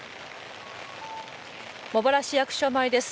茂原市役所前です。